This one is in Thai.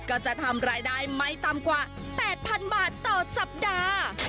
ก็จะทำรายได้ไม่ต่ำกว่า๘๐๐๐บาทต่อสัปดาห์